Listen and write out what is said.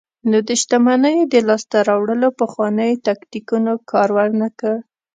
نو د شتمنیو د لاسته راوړلو پخوانیو تاکتیکونو کار ورنکړ.